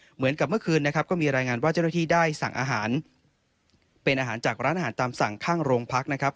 เมื่อคืนนะครับก็มีรายงานว่าเจ้าหน้าที่ได้สั่งอาหารเป็นอาหารจากร้านอาหารตามสั่งข้างโรงพักนะครับ